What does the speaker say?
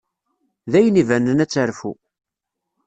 D ayen ibanen ad terfu.